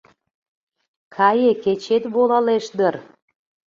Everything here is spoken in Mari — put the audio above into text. Кае кечет волалеш дыр -